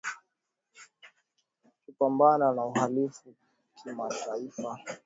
Kinachopambana na Uhalifu Kimataifa